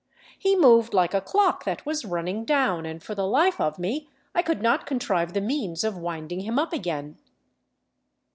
He moved like a clock that was running down, and for the Hfe of me I could not contrive the means of winding him up again.